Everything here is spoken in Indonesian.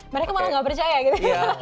mereka malah gak percaya gitu